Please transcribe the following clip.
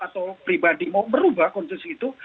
atau pribadi mau merubah konstitusi itu